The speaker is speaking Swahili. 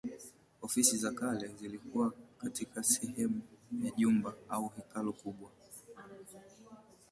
Ofisi za kale zilikuwa sehemu ya jumba au hekalu kubwa.